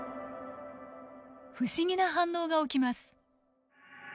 不思議な反応が起きます。